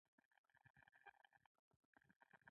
انجینر باید مسلکي کړنې په دقت ترسره کړي.